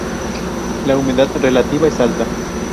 La humedad relativa es alta.